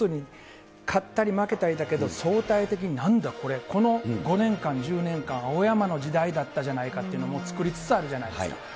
要するに、勝ったり負けたりなんだけど、総体的になんだこれ、この５年間、１０年間、青山の時代だったじゃないかというのをもう作りつつあるじゃないですか。